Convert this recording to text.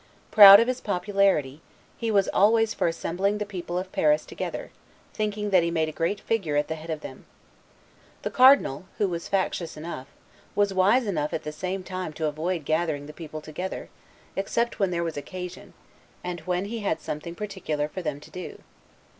Proud of his popularity, he was always for assembling the people of Paris together, thinking that he made a great figure at the head of them. The Cardinal, who was factious enough, was wise enough at the same time to avoid gathering the people together, except when there was occasion, and when he had something particular for them to do.